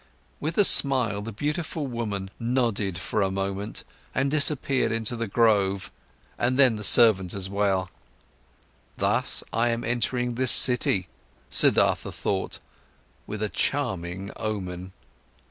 With a smile, the beautiful woman nodded for a moment and disappeared into the grove, and then the servants as well. Thus I am entering this city, Siddhartha thought, with a charming omen.